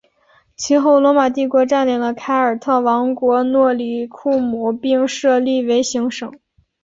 其后罗马帝国占领了凯尔特王国诺里库姆并设立为行省。